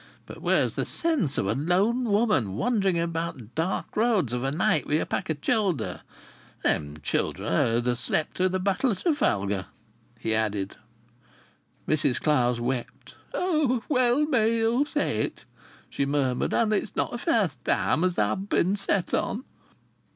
But where's the sense of a lone woman wandering about dark roads of a night wi' a pack of childer?... Them childer 'ud ha' slept through th' battle o' Trafalgar," he added. Mrs Clowes wept. "Well may you say it!" she murmured. "And it's not the first time as I've been set on!"